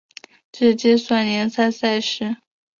只计算联赛赛事。